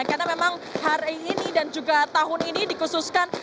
karena memang hari ini dan juga tahun ini dikhususkan